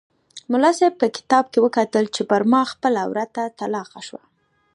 ملا صاحب په کتاب کې وکتل چې پر ما خپله عورته طلاقه شوه.